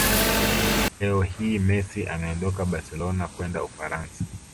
Leo hii Messi ameondoka barcelona kwenda Ufaransa